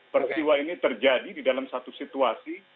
peristiwa ini terjadi di dalam satu situasi